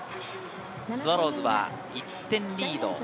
スワローズは１点リード。